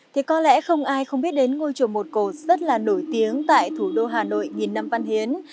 thì có lẽ không ai không biết đến ngôi chùa một cột rất là nổi tiếng tại thủ đô hà nội nghìn năm văn hiến